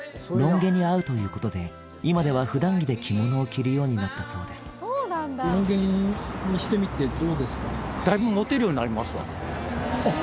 毛に合うということで今では普段着で着物を着るようになったそうですあっ